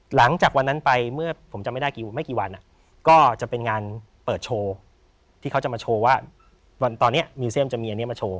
หลังจากวันนั้นไปเมื่อผมจำไม่ได้ไม่กี่วันก็จะเป็นงานเปิดโชว์ที่เขาจะมาโชว์ว่าตอนนี้มิวเซียมจะมีอันนี้มาโชว์